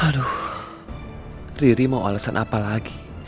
aduh riri mau alasan apa lagi